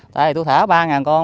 tại tôi thả ba con